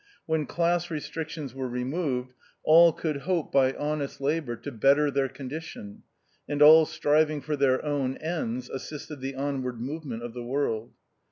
When class restrictions were removed, all could hope by honest labour to better their con dition, and all striving for their own ends assisted the onward movement of the world.